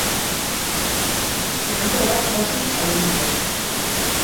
Se n'han trobat fòssils a l'Índia.